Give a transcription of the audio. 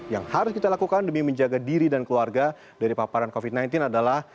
yang harus kita lakukan demi menjaga diri dan keluarga dari paparan covid sembilan belas adalah